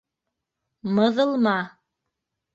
Мыҙылма!